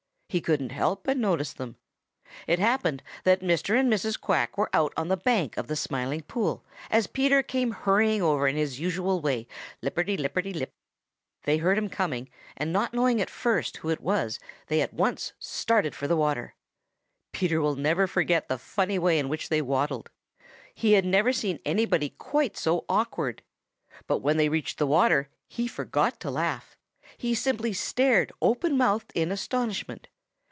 He couldn't help but notice them. It happened that Mr. and Mrs. Quack were out on the bank of the Smiling Pool as Peter came hurrying over in his usual way, lipperty lipperty lip. They heard him coming and not knowing at first who it was they at once started for the water. Peter never will forget the funny way in which they waddled. He never had seen anybody quite so awkward. But when they reached the water he forgot to laugh. He simply stared open mouthed in astonishment.